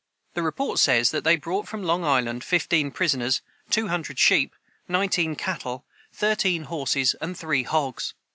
The report says that they brought from Long island "fifteen prisoners, two hundred sheep, nineteen cattle, thirteen horses, and three hogs."